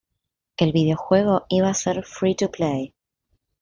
El videojuego iba ser Free to play.